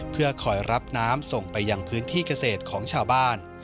เพื่อคอยรับน้ำส่งไปยังพื้นที่เกษตรของชาวบ้าน